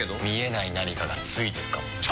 見えない何かがついてるかも。